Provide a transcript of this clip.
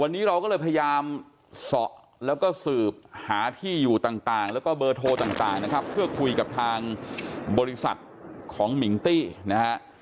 วันนี้เราก็เลยพยายามเสาะแล้วก็สืบหาที่อยู่ต่างแล้วก็เบอร์โทรต่างนะครับเพื่อคุยกับทางบริษัทของมิงตี้นะฮะ